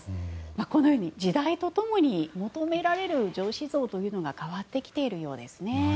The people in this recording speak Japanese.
このように時代とともに求められる上司像というのが変わってきているようですね。